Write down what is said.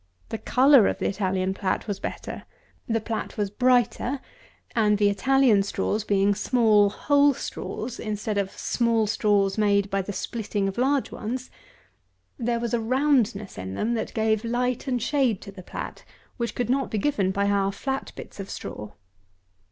The colour of the Italian plat was better; the plat was brighter; and the Indian straws, being small whole straws, instead of small straws made by the splitting of large ones, here was a roundness in them, that gave light and shade to the plat, which could not be given by our flat bits of straw.